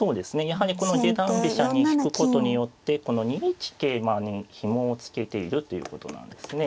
やはりこの下段飛車に引くことによってこの２一桂馬にひもを付けているということなんですね。